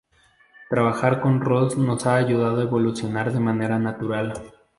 Trabajar con Ross nos ha ayudado a evolucionar de manera natural.